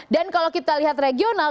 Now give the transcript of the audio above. dan kalau kita lihat regional